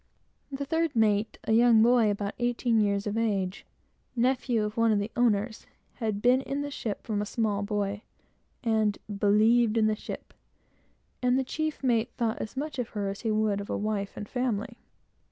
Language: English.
The third mate, a young man of about eighteen years of age, nephew of one of the owners, had been in the ship from a small boy, and "believed in the ship;" and the chief mate thought more of her than he would of a wife and family.